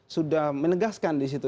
sudah menegaskan di situ